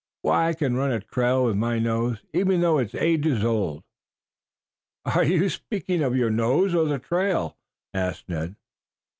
"Why, I can run a trail with my nose, even though it's ages old." "Are you speaking of your nose or the trail?" asked Ned.